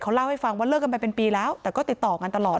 เล่าให้ฟังว่าเลิกกันไปเป็นปีแล้วแต่ก็ติดต่อกันตลอด